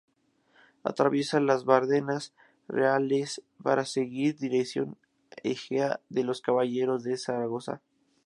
Atraviesa las Bardenas Reales para seguir dirección Ejea de los Caballeros por Zaragoza.